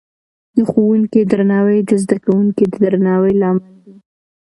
د ښوونکې درناوی د زده کوونکو د درناوي لامل دی.